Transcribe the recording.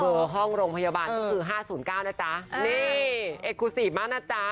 บัวห้องโรงพยาบาลคือ๕๐๙นะจ๊ะเนี่ยเอกกรุสิบมากนะจ๊ะ